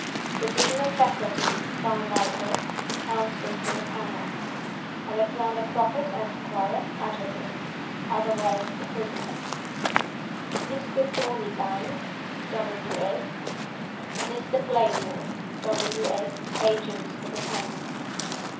THE DEAN OF FACULTY (Farmichael), } Counsel for the Panel ALEXANDER CROCKET, Esquire (Advocate),} (otherwise the Prisoner) MR. THORNIEBANK, W. S.,} MR. PLAYMORE, W. S., } Agents for the Panel.